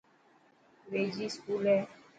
ويجھي اسڪول هي.